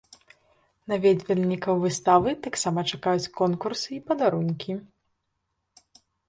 Наведвальнікаў выставы таксама чакаюць конкурсы і падарункі.